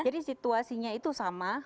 jadi situasinya itu sama